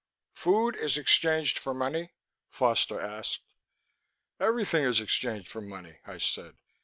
"Food is exchanged for money?" Foster asked. "Everything is exchanged for money," I said.